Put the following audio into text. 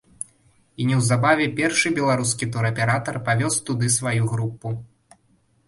І неўзабаве першы беларускі тураператар павёз туды сваю групу.